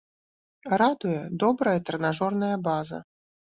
Радуе добрая трэнажорная база.